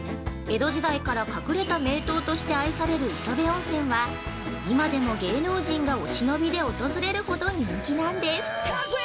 江戸時代から隠れた名湯として愛される磯部温泉は、今でも芸能人がお忍びで訪れるほど人気なんです。